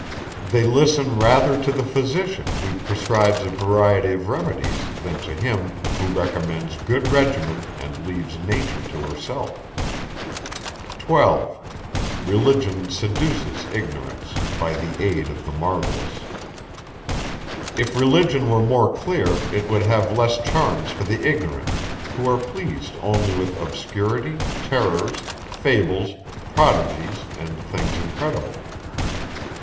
They listen rather to the physician, who prescribes a variety of remedies, than to him, who recommends good regimen, and leaves nature to herself. 12. If religion were more clear, it would have less charms for the ignorant, who are pleased only with obscurity, terrors, fables, prodigies, and things incredible.